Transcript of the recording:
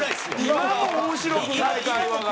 今も面白くない会話が。